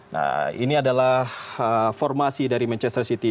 nah ini adalah formasi dari manchester city